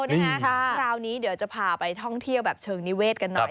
คราวนี้เดี๋ยวจะพาไปท่องเที่ยวแบบเชิงนิเวศกันหน่อย